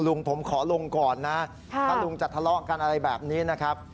ลุงผมขอลงก่อนนะถ้าลุงจะทะเลาะกันอะไรแบบนี้นะครับ